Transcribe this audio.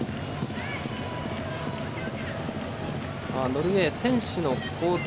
ノルウェー、選手の交代。